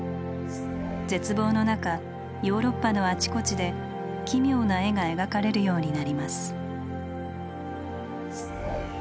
絶望の中ヨーロッパのあちこちで奇妙な絵が描かれるようになります。